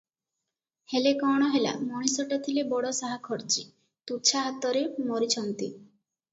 ହେଲେ କଣ ହେଲା, ମଣିଷଟା ଥିଲେ ବଡ଼ ସାହାଖର୍ଚ୍ଚୀ, ତୁଛା ହାତରେ ମରିଛନ୍ତି ।